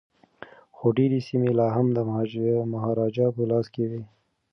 خو ډیري سیمي لا هم د مهاراجا په لاس کي وې.